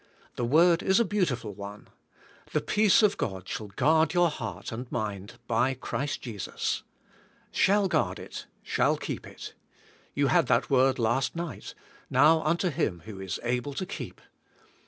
The word is a beautiful one. "The peace of God shall g uard your heart and mind by Christ Jesus." Shall g uard it. Shall keep it. You had that word last night, '' Now unto Him who is able to keep.